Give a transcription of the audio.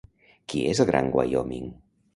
Qui és el Gran Wyoming?